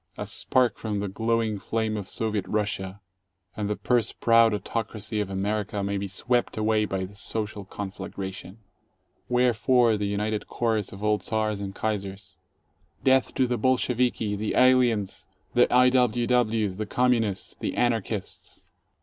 A spark from the glowing flame of Soviet Russia, and the purse proud autocracy of America may be swept away by the social conflagration. Wherefore the united chorus of all Czars and Kaisers, "Death to the Bolsheviki, the aliens, the I. W. Ws., the Communists, the Anarchists